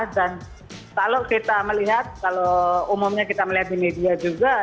dan kalau kita melihat kalau umumnya kita melihat di media juga